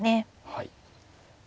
はい。